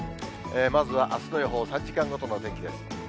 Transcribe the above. まずはあすの予報、３時間ごとのお天気です。